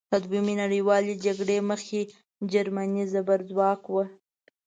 له دویمې نړیوالې جګړې مخکې جرمني زبرځواک وه.